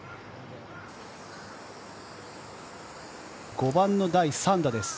５番の第３打です。